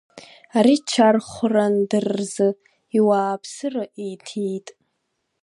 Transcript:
Ари ччархәран дара рзы, иуааԥсыра иҭиит.